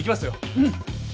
うん。